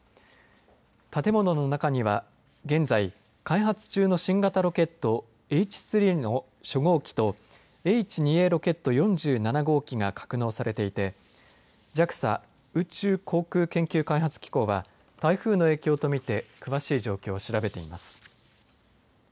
建物の中には現在、開発中の新型ロケットＨ３の初号機とＨ２Ａロケット４７号機が格納されていてＪＡＸＡ宇宙航空研究開発機構は台風の影響とみて詳しい状況を調べています。